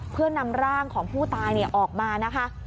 เพื่อนำร่างของผู้ตายออกมานะคะ